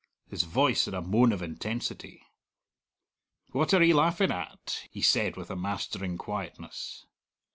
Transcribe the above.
His voice had a moan of intensity. "What are 'e laughing at?" he said, with a mastering quietness....